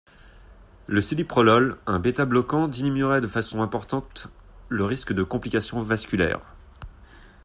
Le céliprolol, un bêta-bloquant, diminuerait de façon importante le risque de complications vasculaires.